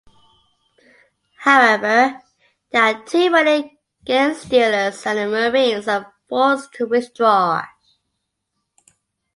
However, there are too many Genestealers, and the Marines are forced to withdraw.